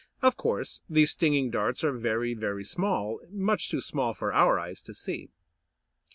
Of course these stinging darts are very, very small, much too small for our eyes to see.